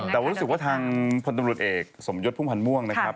แต่ว่ารู้สึกว่าทางพลตำรวจเอกสมยศพุ่มพันธ์ม่วงนะครับ